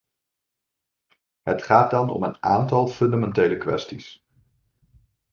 Het gaat dan om een aantal fundamentele kwesties.